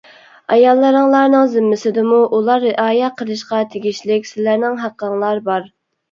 ئاياللىرىڭلارنىڭ زىممىسىدىمۇ ئۇلار رىئايە قىلىشقا تېگىشلىك سىلەرنىڭ ھەققىڭلار بار.